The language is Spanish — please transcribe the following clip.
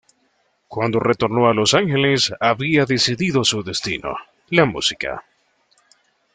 Cuando retornó a Los Ángeles había decidido su destino: la música.